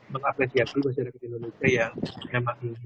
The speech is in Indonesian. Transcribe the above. mengapresiasi bersih reputasi indonesia yang memang ingin